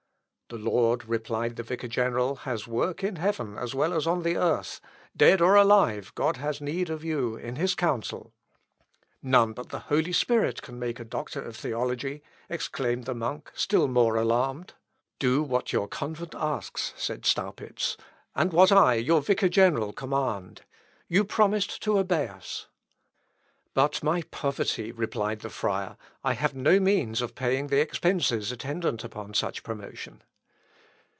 "The Lord," replied the vicar general, "has work in heaven as well as on the earth; dead or alive, God has need of you in his counsel." "Ihr lebet nun oder sterbet, so darff euch Gott in seinem Rathe." (Mathes. 6.) "None but the Holy Spirit can make a doctor of theology," exclaimed the monk, still more alarmed. "Do what your convent asks," said Staupitz, "and what I, your vicar general, command. You promised to obey us." "But my poverty," replied the friar. "I have no means of paying the expences attendant on such promotion."